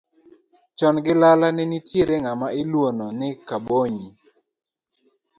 Chon gi lala ne nitiere ng'ama iluono ni Kabonyi.